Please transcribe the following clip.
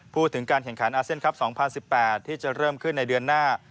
พูดถึงการแข่งขันอาเซียนคลับ๒๐๑๘ที่จะเริ่มขึ้นในเดือนหน้า